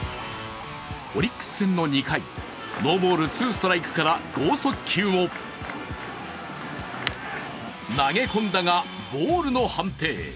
オリックス戦の２回、ノーボール・ツーストライクから剛速球を投げ込んだがボールの判定。